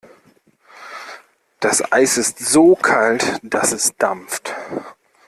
Das Eis ist so kalt, dass es dampft.